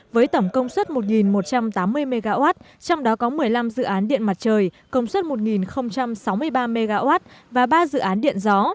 với tổng công suất một một trăm tám mươi mw trong đó có một mươi năm dự án điện mặt trời công suất một sáu mươi ba mw và ba dự án điện gió